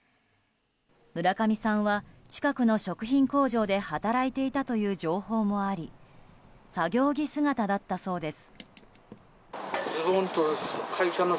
村上さんは、近くの食品工場で働いていたという情報もあり作業着姿だったそうです。